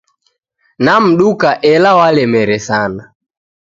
Namduka ila walemere sana